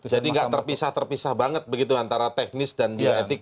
jadi nggak terpisah terpisah banget begitu antara teknis dan etik